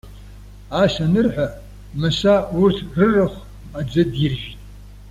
Ас анырҳәа, Мыса урҭ рырахә аӡы диржәит.